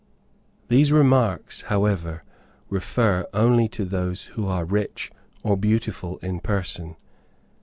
These remarks, however, refer only to those who are rich, or beautiful in person.